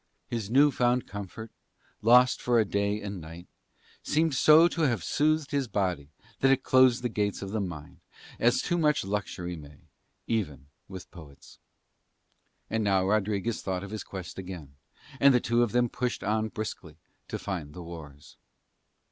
His new found comfort, lost for a day and night, seemed so to have soothed his body that it closed the gates of the mind, as too much luxury may, even with poets. And now Rodriguez thought of his quest again, and the two of them pushed on briskly to find the wars.